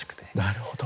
なるほど。